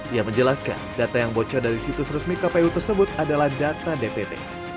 ia menjelaskan data yang bocor dari situs resmi kpu tersebut adalah data dpt